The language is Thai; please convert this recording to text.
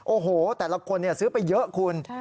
โอ้โหแต่ละคนซื้อไปเยอะคุณ